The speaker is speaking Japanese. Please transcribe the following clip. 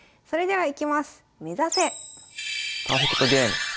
はい。